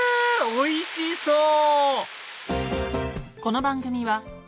おいしそう！